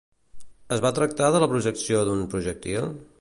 Es va tractar de la projecció d'un projectil?